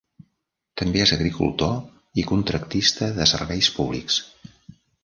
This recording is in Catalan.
També és agricultor i contractista de serveis públics.